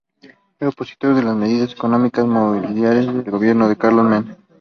Fue opositor a las medidas económicas neoliberales del gobierno de Carlos Menem.